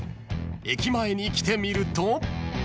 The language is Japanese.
［駅前に来てみると］